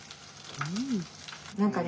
何かね